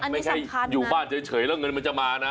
ไม่ใช่อยู่บ้านเฉยแล้วเงินมันจะมานะ